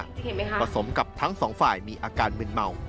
เห็นมั้ยคะผสมกับทั้ง๒ฝ่ายมีอาการมินเมา